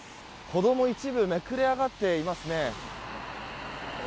歩道も一部めくれ上がっていますね。